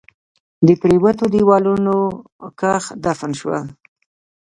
په پريوتو ديوالونو کښ دفن شول